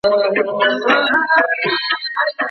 ځانګړې روزنه د ځانګړو اړتیاوو لرونکو ماشومانو لپاره ده.